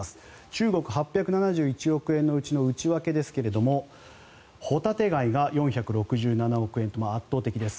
中国、８７１億円の内訳ですがホタテ貝が４６７億円と圧倒的です。